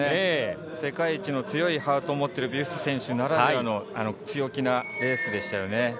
世界一の強いハートを持っているビュスト選手ならではの強気なレースでしたよね。